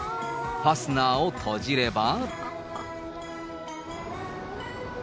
ファスナーを閉じれば。